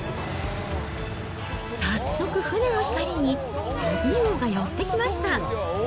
早速、船の光にトビウオが寄ってきました。